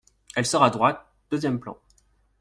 Elle sort à droite, deuxième plan.